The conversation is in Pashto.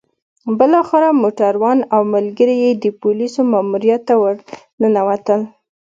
بالاخره موټروان او ملګري يې د پوليسو ماموريت ته ورننوتل.